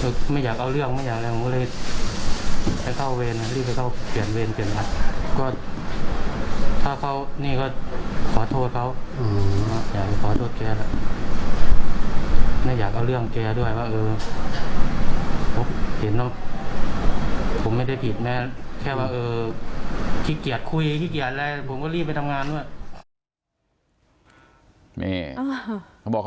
พูดมาบอกไม่อยากเอาเรื่องนะแต่ขอโทษก็ได้